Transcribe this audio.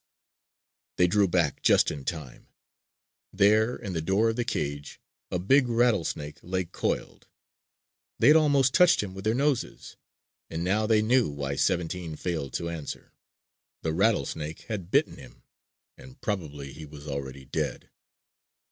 Pstt! They drew back just in time. There in the door of the cage a big rattlesnake lay coiled. They had almost touched him with their noses. And now they knew why "Seventeen" failed to answer! The rattlesnake had bitten him and probably he was already dead.